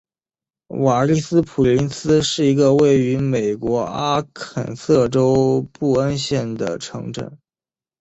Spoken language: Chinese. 瓦利斯普林斯是一个位于美国阿肯色州布恩县的城镇。